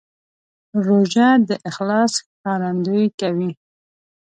روژه د اخلاص ښکارندویي کوي.